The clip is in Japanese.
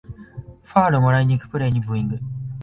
ファールをもらいにいくプレイにブーイング